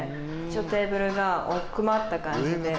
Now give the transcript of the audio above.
テーブルが奥まった感じで。